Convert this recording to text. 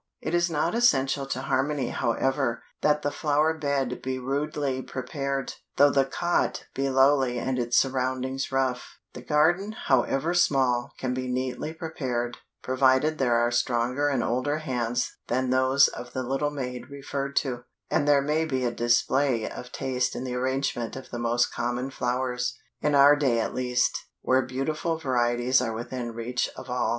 It is not essential to harmony however, that the flower bed be rudely prepared, though the cot be lowly and its surroundings rough; the garden, however small, can be neatly prepared, provided there are stronger and older hands than those of the little maid referred to, and there may be a display of taste in the arrangement of the most common flowers, in our day at least, where beautiful varieties are within reach of all.